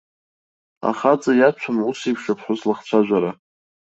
Ахаҵа иаҭәам усеиԥш аԥҳәыс лыхцәажәара.